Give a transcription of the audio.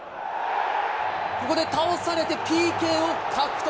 ここで倒されて、ＰＫを獲得。